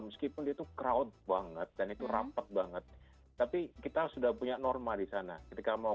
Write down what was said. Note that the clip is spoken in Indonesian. meskipun itu crowd banget dan itu rapat banget tapi kita sudah punya norma di sana ketika mau